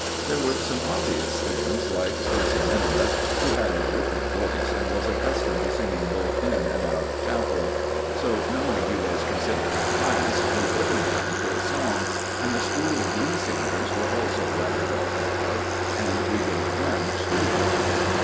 There were some obvious things, like Percy minimus, who had a ripping voice, and was accustomed to singing both in and out of chapel. So, knowing he was considered class, we put him down for a song; and the school glee singers were also rather well thought of, and we gave them two items.